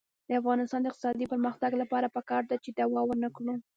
د افغانستان د اقتصادي پرمختګ لپاره پکار ده چې دعوه ونکړو.